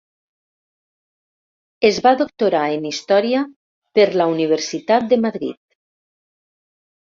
Es va doctorar en Història per la Universitat de Madrid.